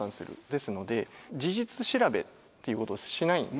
ですので事実調べっていうことをしないんです。